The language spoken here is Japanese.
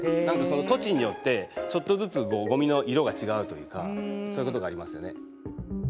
何かその土地によってちょっとずつゴミの色が違うというかそういうことがありますよね。